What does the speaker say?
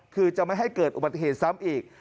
คือจะไม่ให้เกิดอุบัติเหตุซ้ำอีก